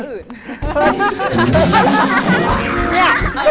เพื่อนพี่